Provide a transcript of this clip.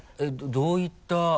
どういった？